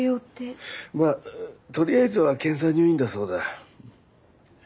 まあとりあえずは検査入院だそうだ。